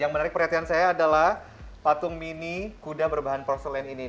yang menarik perhatian saya adalah patung mini kuda berbahan porsellen ini